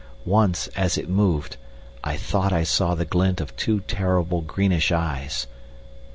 Once, as it moved, I thought I saw the glint of two terrible, greenish eyes.